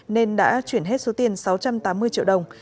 nên đã chuyển hết số tiền sáu trăm tám mươi triệu đồng